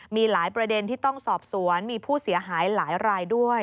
มีหลายประเด็นที่ต้องสอบสวนมีผู้เสียหายหลายรายด้วย